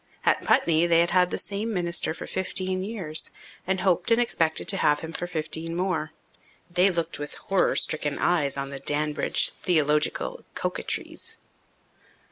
At Putney they had had the same minister for fifteen years and hoped and expected to have him for fifteen more. They looked with horror stricken eyes on the Danbridge theological coquetries.